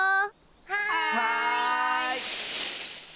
はい！